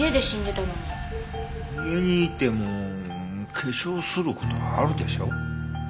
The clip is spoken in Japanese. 家にいても化粧する事あるでしょ？